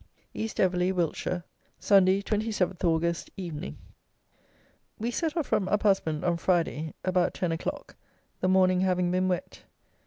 East Everley (Wiltshire), Sunday, 27th August, Evening. We set off from Uphusband on Friday, about ten o'clock, the morning having been wet.